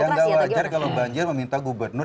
ya nggak wajar kalau banjir meminta gubernur